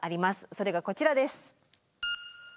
それがこちらです。